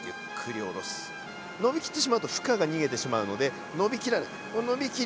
伸びきってしまうと負荷が逃げてしまうので伸びきらない伸びきる